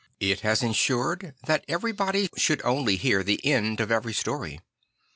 It has insured that everybody should only hear the end of every story.